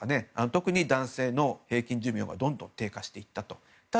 特に男性の平均寿命がどんどん低下していったと。